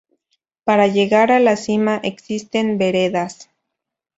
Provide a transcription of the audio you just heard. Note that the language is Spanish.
Para llegar a la cima existen veredas.